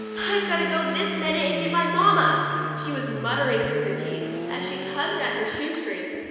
" I've got to go this minute and get my mamma," she was muttering through her teeth, as she tugged at her shoestring.